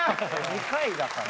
２回だから。